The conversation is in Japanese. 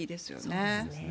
そうですね。